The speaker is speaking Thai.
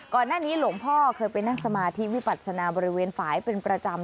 ก่อนหน้านี้หลวงพ่อเคยไปนั่งสมาธิวิปัศนาบริเวณฝ่ายเป็นประจำ